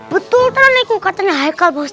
betul ternyata katanya haikal postat